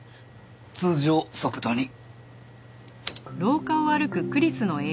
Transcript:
通常速度に。